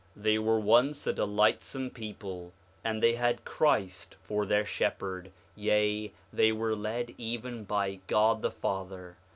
5:17 They were once a delightsome people, and they had Christ for their shepherd; yea, they were led even by God the Father.